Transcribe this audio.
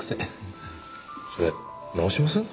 それ直しません？